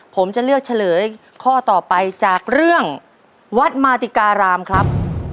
ผมจะเลือกเฉลยข้อต่อไปจากเรื่องวัดมาติการามครับ